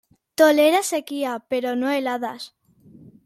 Tolera sequía, pero no heladas.